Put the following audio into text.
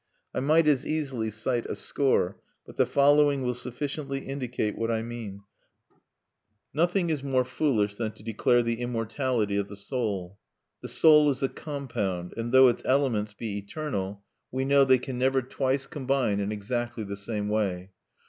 I might as easily cite a score; but the following will sufficiently indicate what I mean: "Nothing is more foolish than to declare the immortality of the soul. The soul is a compound; and though its elements be eternal, we know they can never twice combine in exactly the same way.